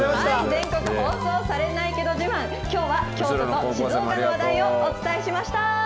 全国放送されないけど自慢、きょうは京都と静岡の話題をお伝えしました。